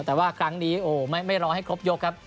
แต่ว่าครั้งนี้ไม่รอให้ครบยกครับ